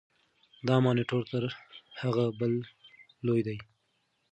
دا مانیټور تر هغه بل لوی دی.